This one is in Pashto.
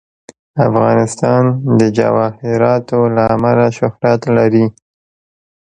افغانستان د جواهرات له امله شهرت لري.